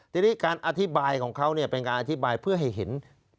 ทีนี้การอธิบายของเขาเป็นการอธิบายเพื่อให้เห็น